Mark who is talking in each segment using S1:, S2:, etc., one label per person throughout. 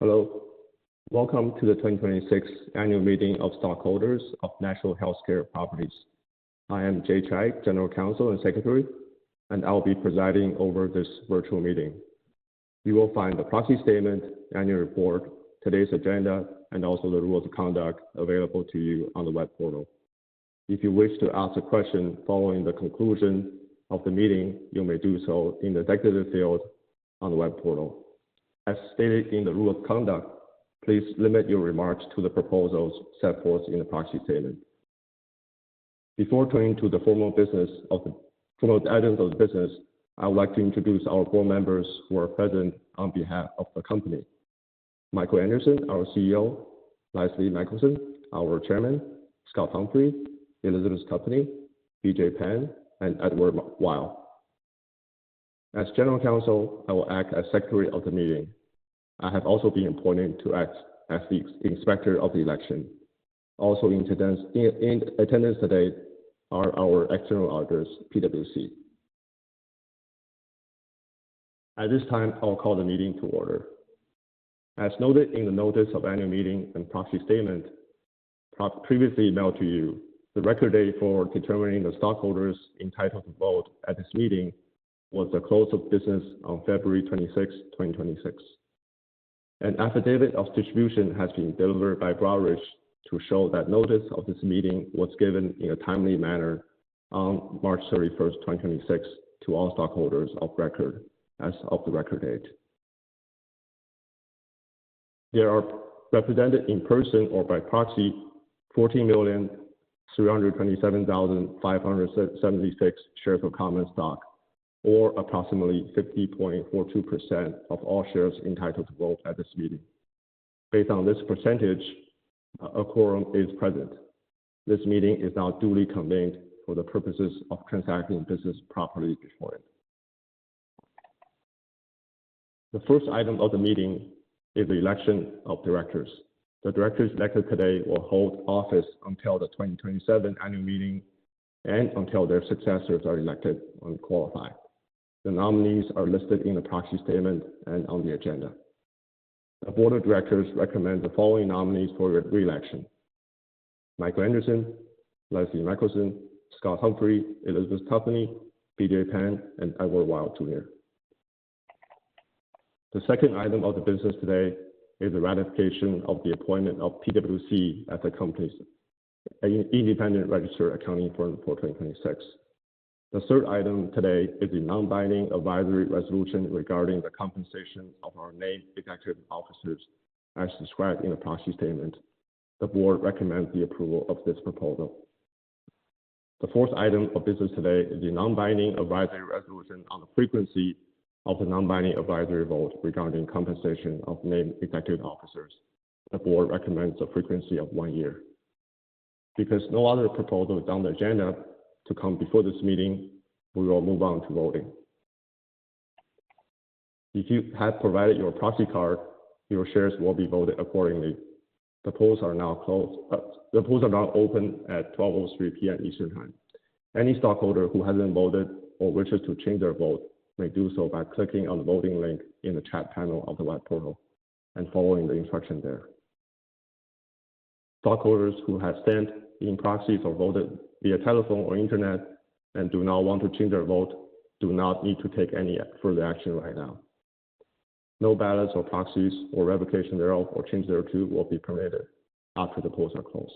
S1: Hello. Welcome to the 2026 annual meeting of stockholders of National Healthcare Properties. I am Jie Chai, General Counsel and Secretary, and I'll be presiding over this virtual meeting. You will find the proxy statement, annual report, today's agenda, and also the rules of conduct available to you on the web portal. If you wish to ask a question following the conclusion of the meeting, you may do so in the dedicated field on the web portal. As stated in the rule of conduct, please limit your remarks to the proposals set forth in the proxy statement. Before turning to the formal items of business, I would like to introduce our board members who are present on behalf of the company. Michael Anderson, our CEO, Leslie Michelson, our Chairman, Scott Humphrey, Elizabeth Tuppeny, B.J. Penn, and Edward Weil. As General Counsel, I will act as Secretary of the meeting. I have also been appointed to act as the Inspector of the election. Also in attendance, in attendance today are our external auditors, PwC. At this time, I'll call the meeting to order. As noted in the notice of annual meeting and proxy statement previously emailed to you, the record date for determining the stockholders entitled to vote at this meeting was the close of business on February 26, 2026. An affidavit of distribution has been delivered by Broadridge to show that notice of this meeting was given in a timely manner on March 31, 2026 to all stockholders of record as of the record date. There are represented in person or by proxy 40,327,576 shares of common stock, or approximately 50.42% of all shares entitled to vote at this meeting. Based on this percentage, a quorum is present. This meeting is now duly convened for the purposes of transacting business properly before it. The first item of the meeting is the election of directors. The directors elected today will hold office until the 2027 annual meeting and until their successors are elected and qualify. The nominees are listed in the proxy statement and on the agenda. The board of directors recommend the following nominees for re-election: Michael Anderson, Leslie Michelson, Scott Humphrey, Elizabeth Tuppeny, B.J. Penn, and Edward Weil. The second item of business today is the ratification of the appointment of PwC as the company's independent registered accounting firm for 2026. The third item today is the non-binding advisory resolution regarding the compensation of our named executive officers as described in the proxy statement. The board recommends the approval of this proposal. The fourth item of business today is the non-binding advisory resolution on the frequency of the non-binding advisory vote regarding compensation of named executive officers. The board recommends a frequency of one year. Because no other proposal is on the agenda to come before this meeting, we will move on to voting. If you have provided your proxy card, your shares will be voted accordingly. The polls are now closed. The polls are now open at 12:03 P.M. Eastern Time. Any stockholder who hasn't voted or wishes to change their vote may do so by clicking on the voting link in the chat panel of the web portal and following the instructions there. Stockholders who have sent in proxies or voted via telephone or internet and do not want to change their vote do not need to take any further action right now. No ballots or proxies or revocation thereof or change thereto will be permitted after the polls are closed.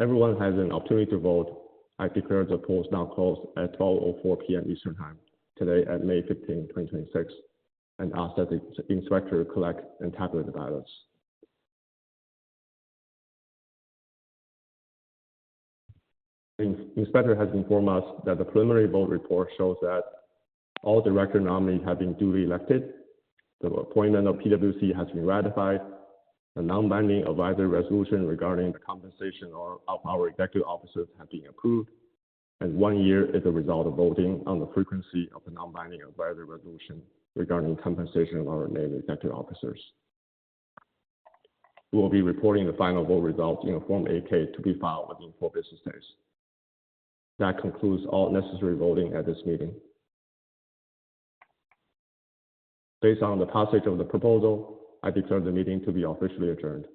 S1: Everyone has an opportunity to vote, I declare the polls now closed at 12:04 P.M. Eastern Time today at May 15, 2026, and ask that the Inspector collect and tabulate the ballots. The Inspector has informed us that the preliminary vote report shows that all director nominees have been duly elected. The appointment of PwC has been ratified. The non-binding advisory resolution regarding the compensation of our executive officers has been approved. one year is the result of voting on the frequency of the non-binding advisory resolution regarding compensation of our named executive officers. We will be reporting the final vote results in a Form 8-K to be filed within four business days. That concludes all necessary voting at this meeting. Based on the passage of the proposal, I declare the meeting to be officially adjourned.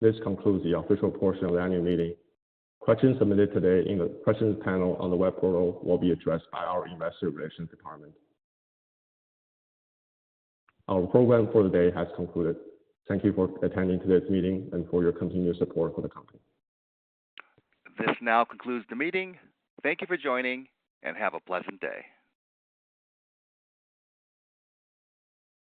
S1: This concludes the official portion of the annual meeting. Questions submitted today in the questions panel on the web portal will be addressed by our investor relations department. Our program for the day has concluded. Thank you for attending today's meeting and for your continuous support for the company.
S2: This now concludes the meeting. Thank you for joining, and have a pleasant day.